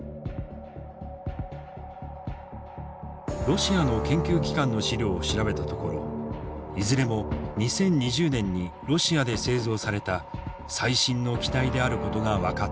ロシアの研究機関の資料を調べたところいずれも２０２０年にロシアで製造された最新の機体であることが分かった。